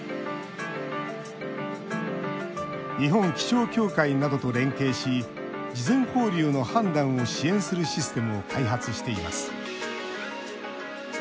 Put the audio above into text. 日本気象協会などと連携し事前放流の判断を支援するシステムを開発しています。